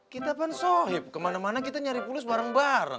kita kan sohib kemana mana kita nyari pulus bareng bareng